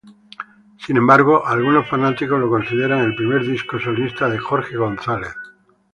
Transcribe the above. Sin embargo, algunos fanáticos lo consideran el primer disco solista de Jorge González.